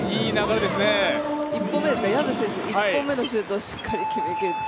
薮選手、１本目のシュートをしっかり決めて。